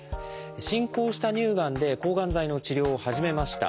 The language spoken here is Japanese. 進行した乳がんで抗がん剤の治療を始めました。